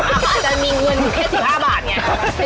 อาจจะมีเงินอยู่แค่๑๕บาทไง